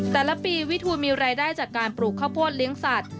แต่ละปีวิทูลมีรายได้จากการปลูกข้าวโพดเลี้ยงสัตว